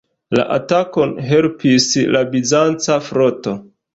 La atakon helpis la bizanca floto.